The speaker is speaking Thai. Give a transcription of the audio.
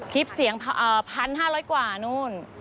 คลิปเสียง๑๕๐๐กว่านู่น